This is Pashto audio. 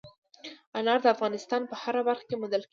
انار د افغانستان په هره برخه کې موندل کېږي.